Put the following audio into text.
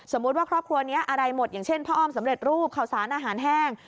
ว่าครอบครัวนี้อะไรหมดอย่างเช่นพ่ออ้อมสำเร็จรูปข่าวสารอาหารแห้ง